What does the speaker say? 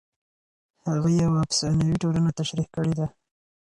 هغه یوه افسانوي ټولنه تشریح کړې ده.